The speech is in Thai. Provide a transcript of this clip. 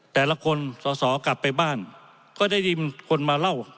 แต่ละคนสอสอกลับไปบ้านก็ได้ยินคนมาเล่า